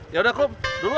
yaudah kum duluan ya